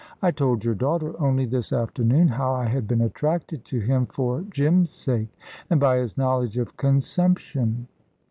I told your daughter, only this afternoon, how I had been attracted to him for Jim's sake, and by his knowledge of consumption."